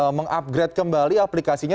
kemudian mengupgrade kembali aplikasinya